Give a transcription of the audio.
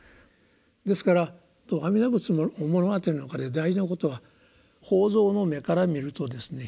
ですから「阿弥陀仏の物語」の中で大事なことは法蔵の目から見るとですね